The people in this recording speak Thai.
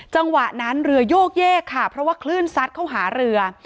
จังหวะนั้นเรือโยกแยกค่ะเพราะว่าคลื่นซัดเข้าหาเรือ